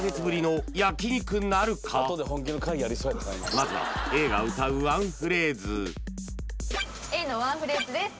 まずはＡが歌うワンフレーズＡのワンフレーズです